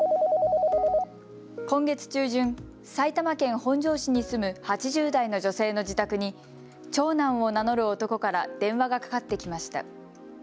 今月中旬、埼玉県本庄市に住む８０代の女性の自宅に長男を名乗る男から電話がかかってきました。